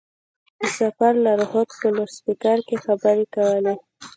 د سفر لارښود په لوډسپېکر کې خبرې کولې.